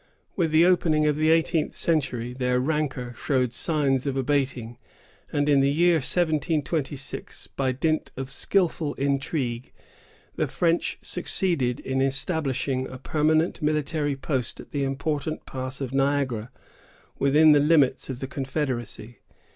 With the opening of the eighteenth century, their rancor showed signs of abating; and in the year 1726, by dint of skilful intrigue, the French succeeded in establishing a permanent military post at the important pass of Niagara, within the limits of the confederacy.